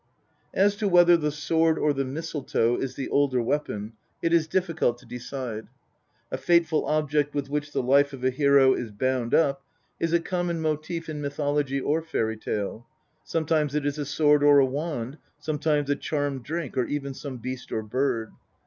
As to whether the sword or the mistletoe is the older weapon it is difficult to decide. A fateful object with which the life of a hero is bound up is a common motive in mythology or fairy tale ; sometimes it is a sword or a wand, sometimes a charmed drink, or even some beast or bird.